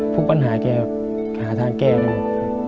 พวกปัญหาแกหาทางแก้ลูก